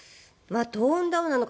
トーンダウンなのか